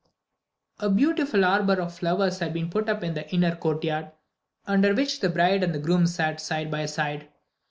A beautiful arbour of flowers had been put up in the inner courtyard, under which the bride and groom sat side by side.